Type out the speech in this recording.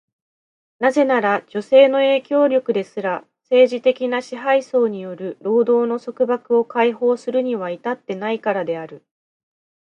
なぜなら、女性の影響力ですら、政治的な支配層による労働の束縛を解放するには至っていないからである。